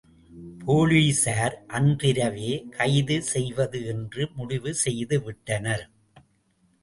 போலீஸார் அன்றிரவே கைது செய்வது என்று முடிவு செய்துவிட்டனர்.